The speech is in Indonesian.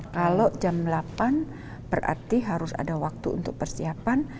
kalau jam delapan berarti harus ada waktu untuk persiapan